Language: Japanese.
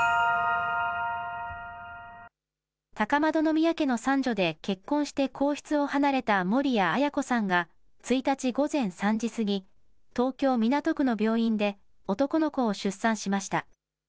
高円宮家の三女で結婚して皇室を離れた守谷絢子さんが１日午前３時過ぎ、東京港区の病院で男の子を出産しました。